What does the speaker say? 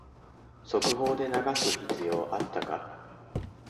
速報で流す必要あったか